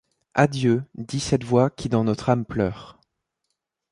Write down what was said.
Adieu, dit cette voix qui dans notre âme pleure